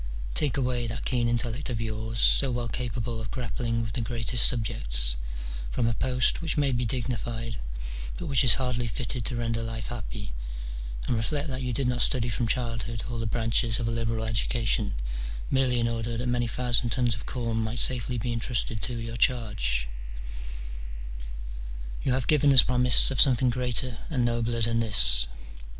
Take away that keen intellect of yours, so well capable of grappling with the greatest subjects, from a post which may be dignified, but which is hardly fitted to render life happy, and reflect that you did not study from childhood all the branches of a liberal education merely in order that many thousand tons of corn might safely be entrusted to your charge : you have 316 MINOR DIALOGUES. [bK. X. given us promise of something greater and nobler than this.